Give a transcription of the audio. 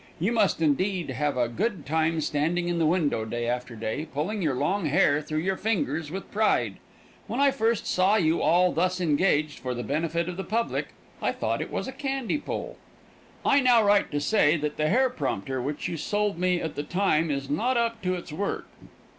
You must indeed have a good time standing in the window day after day, pulling your long hair through your fingers with pride. When I first saw you all thus engaged, for the benefit of the public, I thought it was a candy pull. I now write to say that the hair promoter which you sold me at the time is not up to its work.